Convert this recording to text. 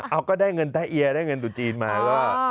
เอาก็ได้เงินแตะเอียได้เงินตุจีนมาก็